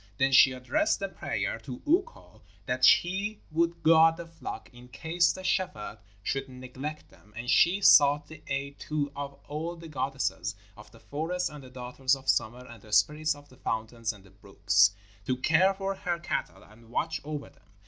Then she addressed a prayer to Ukko that he would guard the flock in case the shepherd should neglect them. And she sought the aid too of all the goddesses of the forest and the daughters of summer and the spirits of the fountains and the brooks, to care for her cattle and watch over them.